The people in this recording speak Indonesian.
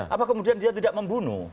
apa kemudian dia tidak membunuh